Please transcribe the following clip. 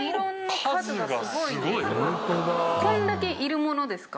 こんだけいるものですか？